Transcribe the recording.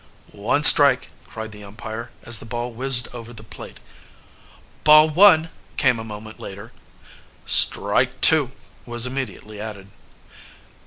"One strike!" cried the umpire as the ball whizzed over the plate. "Ball one!" came a moment later. "Strike two!" was immediately added.